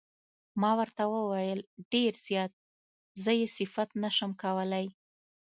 ما ورته وویل: ډېر زیات، زه یې صفت نه شم کولای.